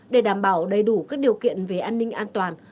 để đảm bảo đầy đủ các điều kiện về an ninh an toàn